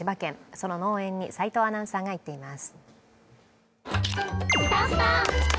その農園に齋藤アナウンサーが行っています。